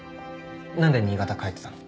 何で新潟帰ってたの？